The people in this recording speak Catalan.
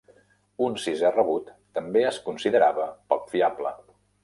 Un sisè rebut també es considerava poc fiable.